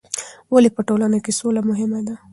ولې په ټولنه کې سوله مهمه ده؟